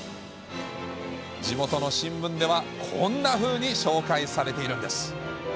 地元の新聞では、こんなふうに紹介されているんです。